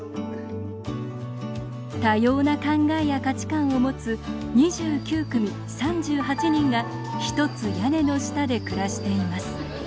多様な考えや価値観を持つ２９組３８人が一つ屋根の下で暮らしています。